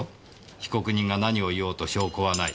被告人が何を言おうと証拠はない。